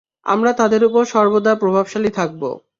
আমরা তাদের উপর সর্বদা প্রভাবশালী থাকব।